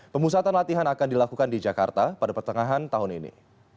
pemusatan latihan akan dilakukan di jakarta pada pertengahan tahun ini